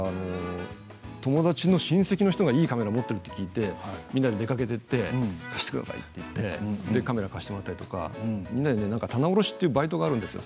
友達の親戚の人がいいカメラを持っていると聞いてみんなで出かけていって貸してくださいと言ってカメラを貸してもらったりとか棚卸しというバイトがあるんですよ。